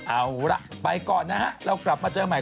เอาล่ะไปก่อนนะฮะเรากลับมาเจอใหม่